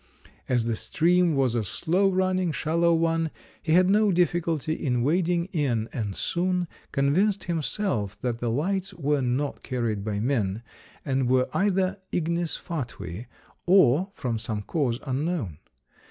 As the stream was a slow running, shallow one, he had no difficulty in wading in, and soon convinced himself that the lights were not carried by men, and were either ignes fatui or from some cause unknown.